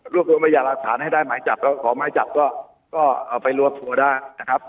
รวบรวมบัญญาณรักษาให้ได้หมายจับขอหมายจับก็เอาไปรวบครัวได้นะครับ